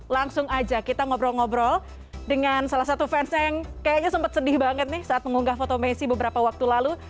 langsung aja kita ngobrol ngobrol dengan salah satu fansnya yang kayaknya sempat sedih banget nih saat mengunggah foto messi beberapa waktu lalu